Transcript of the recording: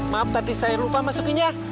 maaf tadi saya lupa masukinnya